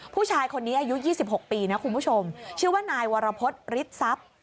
ผู้ชายคนนี้อายุ๒๖ปีนะคุณผู้ชมชื่อว่านายวรพฤษฤทธิทรัพย์